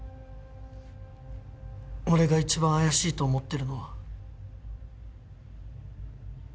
俺が一番怪しいと思ってるのは。